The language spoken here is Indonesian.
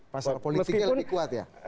pasar politiknya lebih kuat ya